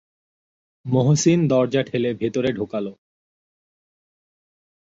মহসিন দরজা ঠেলে ভেতরে ঢুকাল।